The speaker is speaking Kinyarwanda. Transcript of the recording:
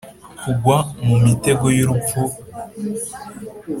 Kugwa mu mitego y urupfu b